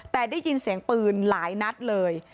แต่ได้ยินเสียงปืนหลายนัดเลย